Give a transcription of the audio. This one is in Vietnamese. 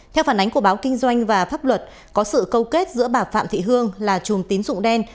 theo phản ánh của báo kinh doanh và pháp luật có sự câu kết giữa bà phạm thị hương là chùm tín dụng đen